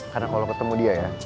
karena kalau ketemu dia ya